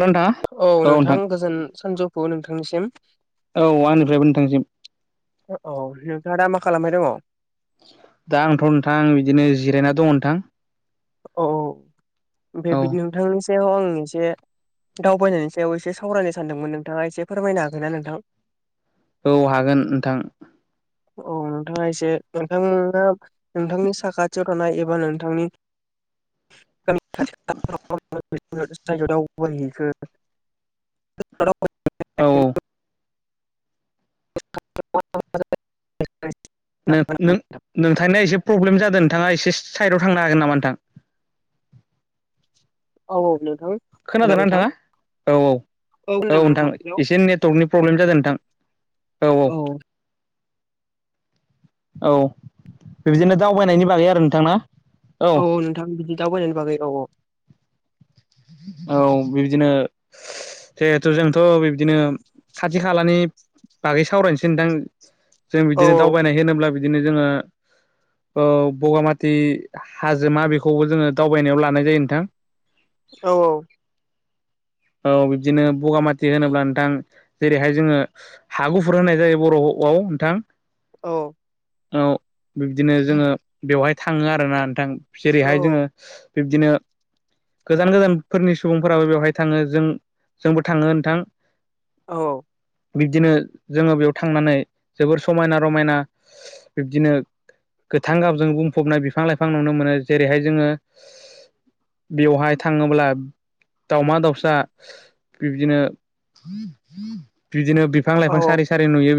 नोंथाङा औ नोंथां गोजोन सानजौफु नोंथांनिसिम। औ आंनिफ्रायबो नोंथांसिम औ नोंथाङा दा मा खालामबाय दङ'? दा आंथ' नोंथां बिदिनो जिरायना दं नोंथां। औ औ औ नोंथांनि सायाव आं एसे दावबायनायनि सायाव एसे सावरायनो सानदोंमोन नोंथाङा एसे फोरमायनो हागोनना नोंथां? औ हागोन नोंथां। औ नोंथाङा एसे नोंथां नोंथांनि साखाथियाव थानाय एबा नोंथांनि [inaudible] [inaudible] [unintelligible] औ औ [inaudible] [inaudible] नों नोंथांनाया एसे प्रब्लेम जादों नोंथाङा एसे साइदआव थांनो हागोन नामा नोंथां? औ औ नोंथां हेल' खोनादोंना नोंथां नोंथाङा औ औ औ खोनादों हेल' औ नोंथां एसे नेटवर्कनि प्रब्लेम जादों नोंथां। औ औ बिदिनो दावबायनायनि बागै आरो नोंथां ना? औ नोंथां बिदि दावबायनायनि बागै औ औ। औ बिबदिनो जिहेथु जोंथ' बिबदिनो खाथि खालानि बागै सावरायनोसै नोंथां जों औ बिदिनो दावबायनाय होनोब्ला बिदिनो जोङो बगामाथि हाजोमा बेखौबो जोङो दावबायनायाव लानाय जायो नोंथां। औ औ औ बिब्दिनो बगामाथि होनोब्ला नोंथां जेरैहाय जोङो हा गुफुर होनाय जायो बर'आव औ नोंथां। औ औ बिब्दिनो जोंङो बेवहाय थांङो आरोना नोंथां जेरैहाय जोंङो बिब्दिनो गोजान गोजानफोरनि सुबुंफोराबो बेवहाय थांङो जों जोंबो थांङो नोंथां औ बिब्दिनो जोंङो बेयाव थांनानै जोबोर समायना रमायना बिब्दिनो गोथां गाबजों बुंफबनाय बिफां लाइफां नुनो मोनो जेरैहाय जोंङो बेवहाय थांङोब्ला दाावमा दाउ सा बिब्दिनो बिदिनो बिफां औ लाइफां सारै सारै नुयो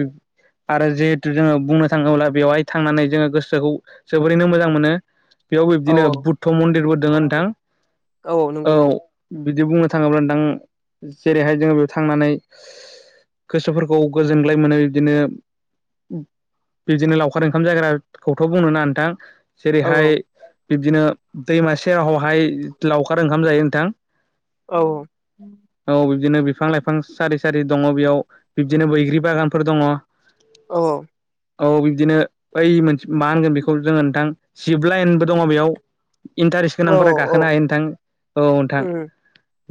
आरो जिहेथु जोंङो बुंनो थाङोब्ला बेवहाय थांनानै जोंङो गोसोखौ जोबोरैनो मोजां मोनो। बेयाव औ बिबदिनो बुद्ध मन्दिरबो दंङ नंगौ नंगौ नोंथां औ बिदि बुंनो थांङोब्ला दां जेरैहाय जोंङो बेयाव थांनानै गोसोफोरखौ गोजोनग्लाय मोनो बिदिनो बिदिनो लावखार ओंखाम जायाग्राखौथ' बुंनो ना नोंथां। औ जेरैहाय बिब्दिनो दैमा सेराहावहाय लावखार ओंखाम जायो नोंथां। औ बिदिनो बिफां लाइफां सारि सारि दंङ बेयाव बिब्दिनो बैग्रि बागानफोर दंङ औ औ बिब्दिनो ओइ मोनसे मा होनगोन बेखौ जोंङो नोंथां जिब लाइनबो दङ बेयाव इन्टारेस्ट औ गोनांफोरा औ गाखोनो हायो नोंथां औ नोंथां।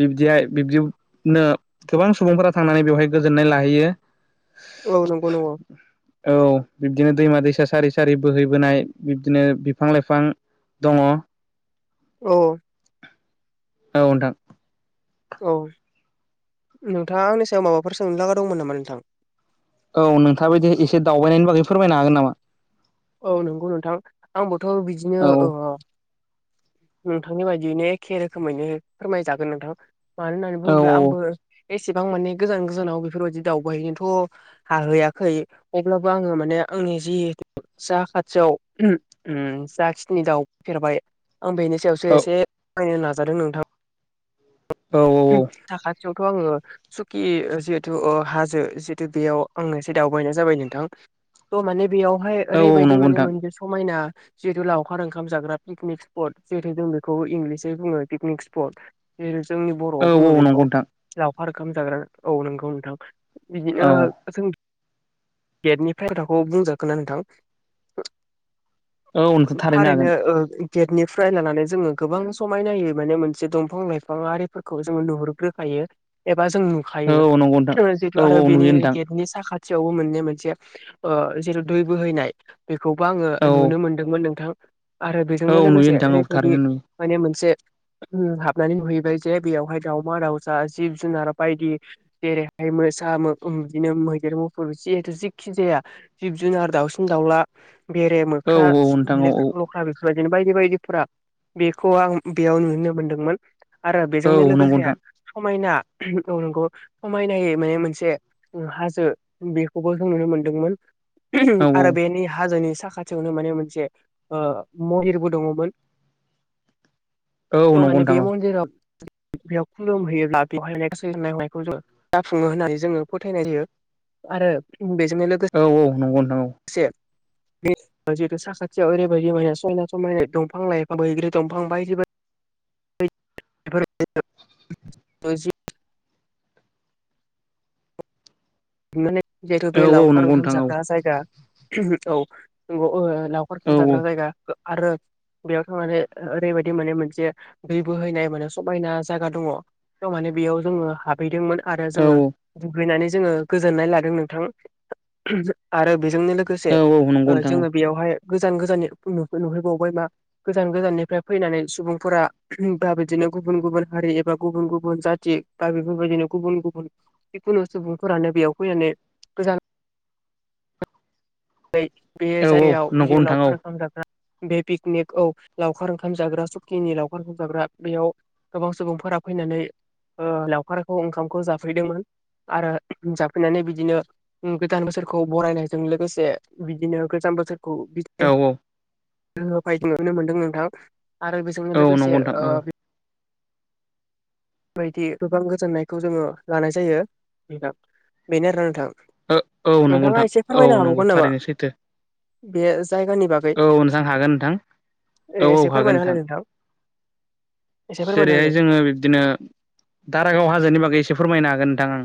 बिब्दिहाय बिब्दिनो गोबां सुबुंफोरा थांनानै बेवहाय गोजोननाय लाहैयो। औ नंगौ नंगौ। औ बिब्दिनो दैमा दैसा सारि सारि बोहैबोनाय बिब्दिनो बिफां लाइफां दंङ। औ औ नोंथां औ नोंथांङा आंनि सायाव माबाफोर सोंनोलागा दंमोन नामा नोंथां औ नोंथां इदि एसे दावबायनायनि बागै फोरमायनो हागोन नामा? औ नंगौ नोंथां आंबोथ' बिदिनो औ औ नोंथांनि बायदियैनो एखे रोखोमैनो फोरमायजागोन नोंथां मानो होनना औ बुंङोब्ला आंबो एसेबां माने गोजान गोजानाव बेफोरबायदि दावउबाय हैैनोथ' हाहैयाखै अब्लाबो आंङो माने आंनि जिहेथु जा खाथियाव जाखिनि दाउ फैफेरबाय आं बेनि सायावसो औ एसे फोरमायनो मायनो नाजादों नोंथां औ थाखा सियावथ' आंङो सुखि जिहेथु हाजो जिहेथु बेयाव आंनो एसे दावबायनाय जाबाय नोंथां थ' माने बेयावहाय औ औ ओरैबायदि नंगौ माने नोंथां मोनसे समायना जिहेथुलावखार ओंखाम जाग्रा पिकनिक स्पट जिहेतु जों बेखौ इंलिसै बुंङो पिकनिक स्पट बे जोंनि बर'आव औ औ बुंङो बेखौ नंगौ नोंथां लावखार ओंखाम जाग्रा औ नोंगौ नोंथां बिदिनो औ जों गेटनिफ्राय खोथाखौ बुंजागोना नोंथां औ नोंथां थारैनो हागोन ओ गेटनिफ्राय लानानै जोंङो गोबां समायना होै माने मोनसे दंफां लाइफां आरिफोरखौ जोंङो नुहुरग्रोखायो यो एबा जों नुखायो औ नंगौ नोंथां जिथु औ आरो औ बिनि नुयो नोंथां गेटनि साखाथियावबो मोननो मोनो। से ओ जेराव दै बोहैनाय बेखौबो आंङो औ नुनो मोनदोंमोन नोंथां आरो औ बेजोंनो नुयो लोगोसे नोंथां औ थारैनो ओरैबायदि नुयो माने मोनसे हाबनानै नुहैबाय जे बेयावहाय दावमा दावउज जिब जुनार बायदि जेरैहाय सेसा बिदिनो मैदेर मुफुर जिखुनु खि जाया जिब-जुनार दाउसिन दाउला बेरे औ मोख्रा औ नोंथां औ लख्रा बेफोरबाय बायदि बायदिफोरा बेखौ आं बेयाव नुनो मोनदोंमोन आरो औ बेजोंनो औ नंगौ नोंथां लोगोसे समायना औ नोंगौ समायनायै माने मोनसे हाजो बेखौबो नुनो मोनदों मोन औ आरो निनि हाजोनि साखाथियावनो माने मोनसे ओ महिरबो दङमोन औ बेव नंगौ माने नोंथां बे औ मन्दिराव [inaudible] बेयाव खुलुमहैयोब्ला बेवहायनाय गासैनाय हनायखौ जाफुङो होननानै जोङो फोथायनाय जायो। आरो बेजोंनो औ औ नंगौ नोंथा औ लोगोसे जिहेतु साखाथियाव ओरैबायदि माने समायना समायना दंफां लाइफां बैग्रि दंफां बायदि बायदि [inaudible] [unintelligible] माने जिहेथु औ औ बेलावखार नंगौ ओंखाम नोंथां औ जाख्रा जायगा औ नंगौ। लावखार औ सोमजाग्रा जायगा आरो बेयाव थांनानै ओरैबायदि माने मोनसे दै बोहैनाय माने समायना जायगा दंङ बेयाव माने बेयाव जोङो हाबहैदोंमोन आरो औ जोङो दुगैनानै जोङो गोजोननाय लादों नोंथां आरो बेजोंनो लोगोसे औ नंगौ नोंथां औ जोङो बेयावहाय गोजान गोजाननि नुहैबावबाय मा गोजान गोजाननिफ्राय फैनानै सुबुंफोरा दा बिदिनो गुबुन गुबुन हारि एबा गुबुन गुबुन जाथि बा बेफोरबायदिनो गुबुन गुबुन जिखुनु सुबुंफोरानो बेयाव फैनानै गोजान बै औ जायगायाव नंगौ जिउ नोंथां औ लावखार रोखोम जाग्रा बे पिकनिक औ लावखार ओंखाम जाग्रा सुखिनि लावखार ओंखाम जाग्रा बेयाव गोबां सुबुंफोर फ्रा ओ फैनानै लावखारखौ ओंखामखौ जाफैदोंमोन। आरो जाफैनानै बिदिनो गोदान बोसोरखौ बरायनायजों लोगोसे बिदिनो गोजाम बोसोरखौ बिदाय औ होफायदों नुनो मोनदों नोंथां आरो बेजोंनो औ नंगौ लोगोसे नोंथां ओ औ बायदि गोबां गोजोननायखौ जोङो लानाय जायो नोंथां बेनो आरो नोंथां। औ नंगौ नोंथाङा नोंथां एसे औ फोरमायनो नंगौ हाबावगोन नामा थारैनो सैथो बे जायगानि बागै औ नोंथां हागोन नोंथां औ औ एसे हागोन फोरमायना होलाय नोंथां। एसे फोरमायना जेरैहाय होलाय जोङो बिब्दिनो दारागाव हाजोनि बागै एसे फोरमायनो हागोन नोंथां आं।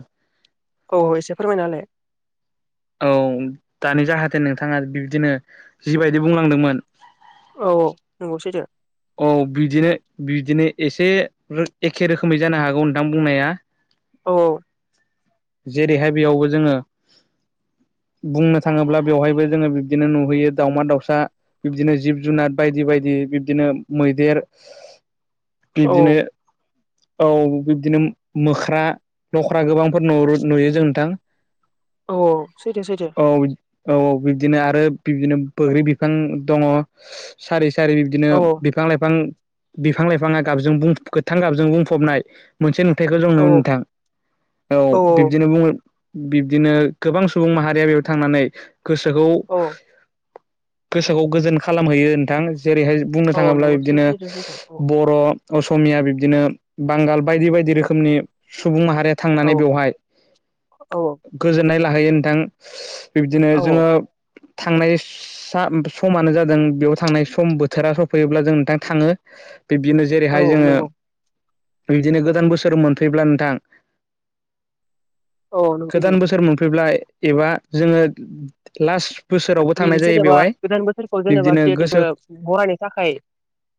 औ एसे फोरमायना होलाय। औ दानि जाहाथे नोंथाङा बिब्दिनो जिबायदि बुंलांदोंमोन। औ औ नंगौ सैथो। औ बिदिनो बिदिनो एसे एखे रोखोमै जानो हागौ नोंथां बुंनाया। औ औ। जेरैहाय बेयावबो जोङो बुंनो थाङोब्ला बेवहायबो जोङो बिब्दिनो नुहैयो दाउमा दाउसा बिब्दिनो जिब जुनार बायदि बायदि बिब्दिनो मैदेर औ बिब्दिनो औ बिब्दिनो मोख्रा लख्रा गोबांफोर नुहरो नुयो जों नोंथां। औ औ सेैथो सेैथो। औ औ औ बिबदिनो आरो बिबदिनो बैग्रि बिफां दंङ सारि सारि बिदिनो औ बिफां लाइफां बिफां लाइफाङा गाबजों गोथां गाबजों बुं फबनाय मोनसे नुथायखौ जों औ नुयो नोंथां औ बिब्दिनो बुंङो बिब्दिनो गोबां सुबुं माहारिया बेयाव थांनानै गोसोखौ औ गोसोखौ गोजोन खालामहैयो नोंथां जेरैहाय बुंनो औ थाङोब्ला नंगौ बिब्दिनो सैथो सैथो बर' असमिया बिब्दिनो बांगाल बायदि बायदि रोखोमनि सुबुं माहारि औ थांनानै बेवहाय औ गोजोननाय लाहैयो नोंथां। बिबदिनो औ जोंङो थांनाय सा समानो जादों बेयाव थांनाय सम बोथोरा सफैयोब्ला जों नोंथां थाङो। बिब्दिनो औ जेरैहाय जोंङो नंगौ बिबदिनो गोदान बोसोर मोनफैब्ला नोंथां औ नों गोदान सैथो बोसोर मोनफैब्लाय एबा जोंङो लास्ट बोसोरावबो बि थांनाय जायो जेनेबा बेवहाय गोदान बोसोरखौ जेनेबा बिब्दिनो जिहेतु गोसो जोंङो बरायनो थाखाय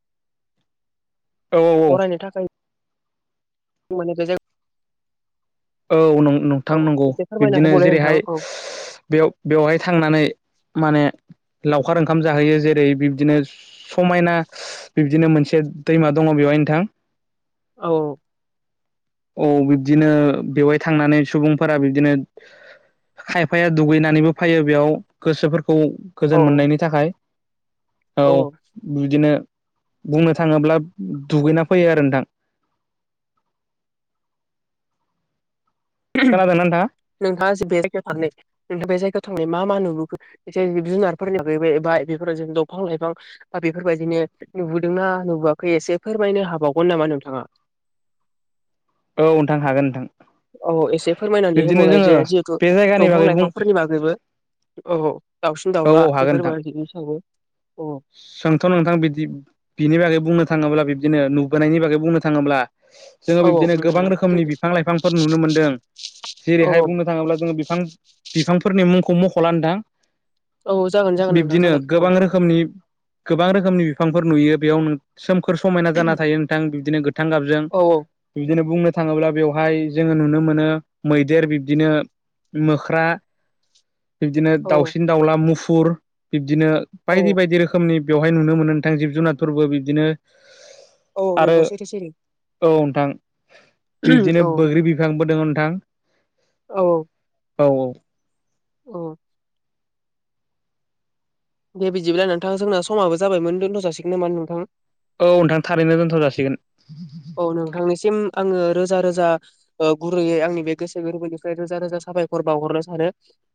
[inaudible] औ बरायनो थाखाय माने [unintelligible] औ नं नंथां औ नंगौ। एसे फोरमायना बिब्दिनो होबावलाय नोंथां जेरैहाय औ बेयाव बेवहाय थांनानै माने लावखार ओंखाम जाहैयो जेरै बिब्दिनो समायना बिब्दिनो मोन से दैमा दंङ बेहाय नोंथां। औ औ। औ बिब्दिनो बेवहाय थांनानै सुबुंफोरा बिब्दिनो खायफाया दुगैनानैबो फैयो बेयाव गोसोफोरखौ खौ औ गोजोन मोननायनि थाखाय औ बिदिनो बुंनो थांङोब्ला दुगैना फैयो आरो नोंथां। नोंथाङा बे जायगायाव थांनाय नोंथाङा बे जायगायाव थांनाय मा म [unintelligible] आ नुआखै एसे फोरमायनो हाबावगोन नामा नोंथाङा? औ नोंथां हागोन नोंथां। औ औ एसे फोरमायनानै बिब्दिनो होबावलाय जोङो जे जिहेतु बे जायगानि दंफां बागै बुं लाइफांफोरनि बागैबो। औ औ औ औ दाउसिन-दाउला हागोन नोंथां बेफोरबायाददिनो। [inaudible] सोंथ' नोंथां बिदि बिनि बागै बुंनो थांङोब्ला बिब्दिनो नुबोनायनि बागै बुंनो थाङोब्ला जोंङो औ बिब्दिनो गोबां नोंथां रोखोमनि बिफां लाइफांफोर नुनो मोनदों। औ जेरैहाय बुंनो थांङोब्ला जोंङो बिफां बिफांफोरनि मुंखौ मख'ला नोंथां। औ औ जागोन जागोन नोंथां बिब्दिनो जागोन औ गोबां रोखोमनि गोबां रोखोमनि बिफांफोर नुयो बेयाव नों सोम फोर समायना जाना थायो नोंथां बिदिनो गोथां गाबजों औ बिदिनो। बुंनो थांङोब्ला बेवहाय जोंङो नुनो मोनो मैदेर बिब्दिनो मोख्रा बिब्दिनो औ दाउसिन-दाउला मुफुर बिबदिनो औ बायदि बायदि रोखोम बेयावहाय नुनो मोनो नोंथां जिब जुनारफोरबो बिदिनो औ नंगौ सैथो सिरि। नथां बिब्दिनो बैग्रि बिफांबो दंङ नोंथां। औ औ। औ औ। औ। दे बिदिब्ला नोंथां जोंना समाबो जाबायमोन दोनथ' जासिगोन नामा नोंथाङा? औ नोंथां थारैनो दोनथ' जासिगोन। औ नोंथांनिसिम आंङो रोजा रोजा ओ गुरैयै आंनि बे गोसो गोरबोनिफ्राय रोजा रोजा साबायखर बावहरनो सानो।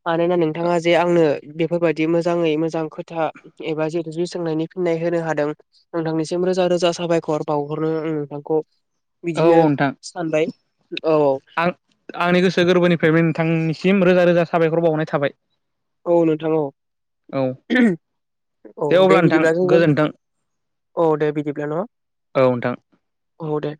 मानोना नोंथांङा जे आंनो बेफोरबायदि मोजाङै मोजां खोथा एबा जिहेतु जु सोंनायनि फिननाय होनो हादों नोंथांनिसिम रोजा रोजा साबायखर बावहरनो हम नोंथां। खौ औ औ बिदिनो नोंथां सानबाय औ आं आंनि गोसो गोरबोनिफ्राय नोंथांनिसिम रोजा रोजा साबायखर बावनाय थाबाय। औ नोंथां औ। औ औ दे अब्ला नोंथां बिदिब्ला जों गोजोन्थों अ दे बिब्दिब्ला न? औ नोंथां औ दे।